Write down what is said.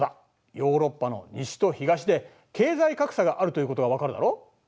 ヨーロッパの西と東で経済格差があるということが分かるだろう。